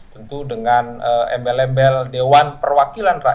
tentu dengan embel embel dewan perwakilan rakyat